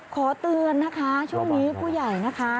ขอเตือนนะคะช่วงนี้ผู้ใหญ่นะคะ